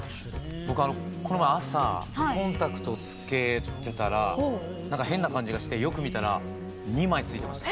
僕この前朝コンタクトを着けてたら何か変な感じがしてよく見たら２枚着いてました。